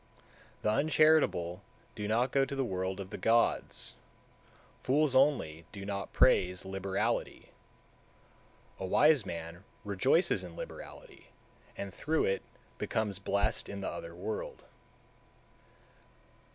177. The uncharitable do not go to the world of the gods; fools only do not praise liberality; a wise man rejoices in liberality, and through it becomes blessed in the other world.